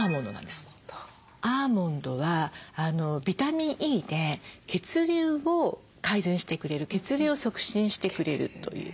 アーモンドはビタミンＥで血流を改善してくれる血流を促進してくれるという。